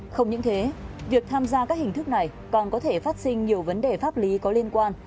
không những thế việc tham gia các hình thức này còn có thể phát sinh nhiều vấn đề pháp lý có liên quan